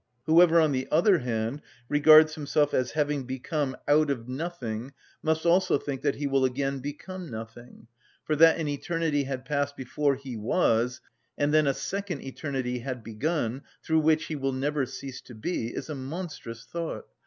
Whoever, on the other hand, regards himself as having become out of nothing must also think that he will again become nothing; for that an eternity had passed before he was, and then a second eternity had begun, through which he will never cease to be, is a monstrous thought.